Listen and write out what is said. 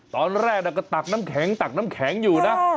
ตอนแรกก็ตักน้ำแข็งอยู่นะ